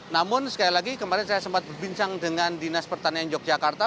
namun sekali lagi kemarin saya sempat berbincang dengan dinas pertanian yogyakarta